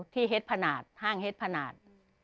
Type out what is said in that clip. ที่ฮ่างเฮ็ดพนาท